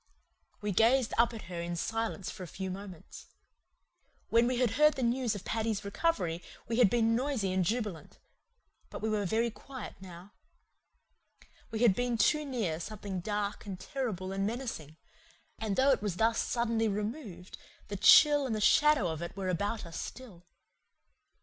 We gazed up at her in silence for a few moments. When we had heard the news of Paddy's recovery we had been noisy and jubilant; but we were very quiet now. We had been too near something dark and terrible and menacing; and though it was thus suddenly removed the chill and shadow of it were about us still.